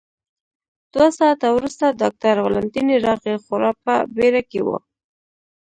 دوه ساعته وروسته ډاکټر والنتیني راغی، خورا په بېړه کې و.